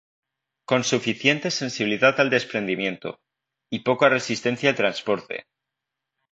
Con suficiente sensibilidad al desprendimiento, y poca resistencia al transporte.